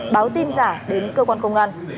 báo tin giả đến cơ quan công an